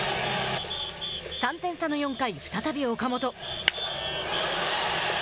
３点差の４回再び岡本。